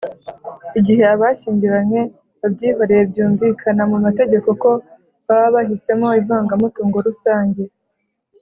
igihe abashyingiranywe babyihoreye byumvikana mu mategeko ko baba bahisemo ivangamutungo rusange.